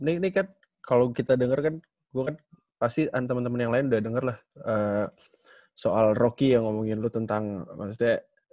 nih nih kan kalo kita denger kan gua kan pasti temen temen yang lain udah denger lah soal rocky yang ngomongin lu tentang maksudnya